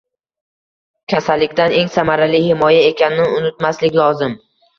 Kasallikdan eng samarali himoya ekanini unutmaslik lozim.